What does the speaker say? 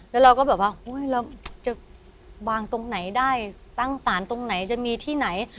แล้วเราก็แบบว่าเราจะวางตรงไหนได้ตั้งสารตรงไหนจะมีที่ไหน